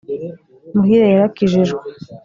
Muhire yarakijijwe.